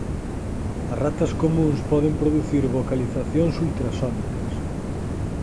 As ratas comúns poden producir vocalizacións ultrasónicas.